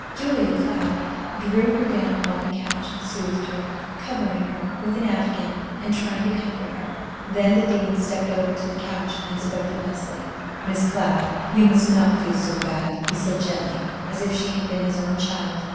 Julia Cloud drew her down upon the couch, and soothed her, covering her with an afghan and trying to comfort her. Then the dean stepped over to the couch and spoke to Leslie. "Miss Cloud, you must not feel so bad," he said gently, as if she had been his own child.